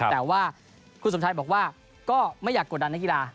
แต่ว่าคุณสมชายบอกว่าก็ไม่อยากกดดันนักกีฬา